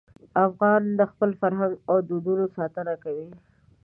افغان د خپل فرهنګ او دودونو ساتنه کوي.